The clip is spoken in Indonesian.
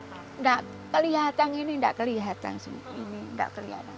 tidak terlihat ini tidak terlihat itu